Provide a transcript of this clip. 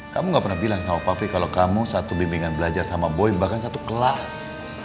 kamu gak pernah bilang sama pavi kalau kamu satu bimbingan belajar sama boy bahkan satu kelas